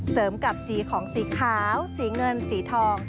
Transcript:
กับสีของสีขาวสีเงินสีทอง